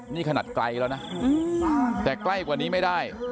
นี่ขนาดไกลแล้วนะแต่ใกล้กว่านี้ไม่ได้